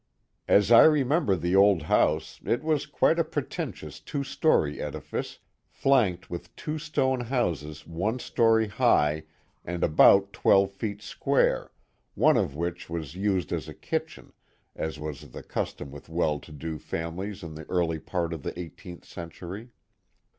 As I remember the old house, it was quite a pretentious two story edifice, flanked with two stone houses one story high and about twelve feet square, one of which was used as a kitchen, as was the custom with well to do families in the early part of the eighteenth century.